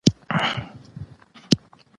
پلورنځي د مختلفو توکو لپاره ځانګړي برخې لري.